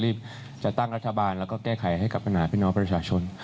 ที่จะตั้งรัฐบาลแล้วก็แก้ไขให้กับขณะพี่น้องประชาชน